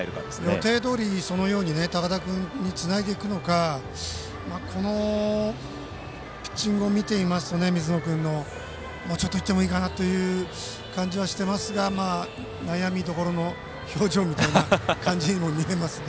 予定どおり、そのように高田君につないでいくのかこの水野君のピッチングを見ていますともうちょっと行っていいかなという感じはしていますがまあ、悩みどころの表情みたいな感じにも見えますが。